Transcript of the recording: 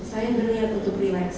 saya berniat untuk relax